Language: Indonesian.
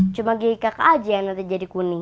cuma gigi kakak aja yang nanti jadi kuning